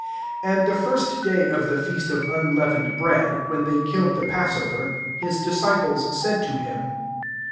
12 AvD the: first day o£ the ^ftfut (/unleavened breadj.whea [they killed, the passovev, kis disciples said to lum